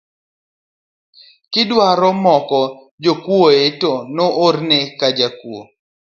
Kidwaro mako jakuo to orne mana jakuo